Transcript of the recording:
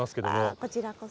こちらこそ。